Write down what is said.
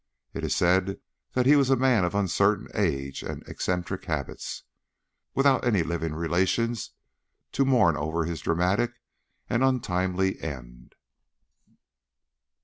It is said that he was a man of uncertain age and eccentric habits, without any living relations to mourn over his dramatic and untimely end."